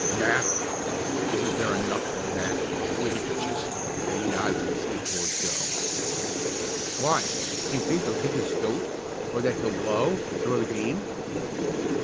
"Matter! Isn't there enough when that when he pitches?" and he nodded his head toward Joe. "Why; do you think they'll get his goat, or that he'll blow, and throw the game?"